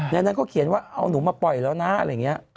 ดังนั้นก็เขียนว่าเอานุ่มมาปล่อยแล้วนะอะไรอย่างเงี้ย